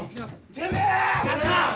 てめえ！